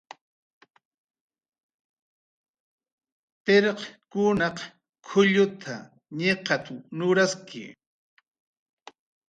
"Pirqkunaq k""ullut""a, ñiqat"" nurasli"